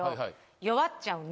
弱っちゃうんだ。